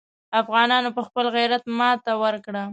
افغانانو په خپل غیرت ماته ورکړه.